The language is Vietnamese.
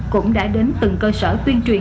cũng đã đến từng cơ sở tuyên truyền